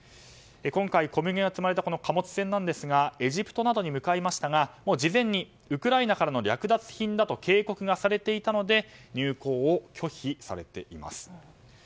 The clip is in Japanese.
今回、小麦が積まれた貨物船ですがエジプトなどに向かいましたが事前にウクライナからの略奪品だと警告がされていたので入港を拒否されています。